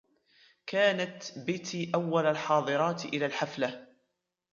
كانت بتي أول الحاضرات إلى الحفلة.